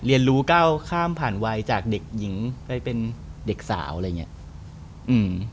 เรียนรู้ก้าวข้ามผ่านวัยจากเด็กหญิงไปเป็นเด็กสาวอะไรอย่างเงี้ยอืม